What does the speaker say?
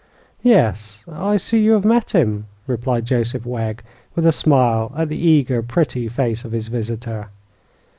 "Yes; I see you have met him," replied Joseph Wegg, with a smile at the eager, pretty face of his visitor.